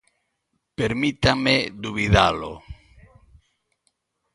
Permítanme dubidalo.